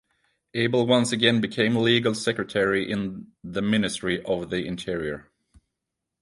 Abel once again became Legal Secretary in the Ministry of the Interior.